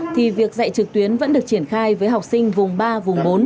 thì việc dạy trực tuyến vẫn được triển khai với học sinh vùng ba vùng bốn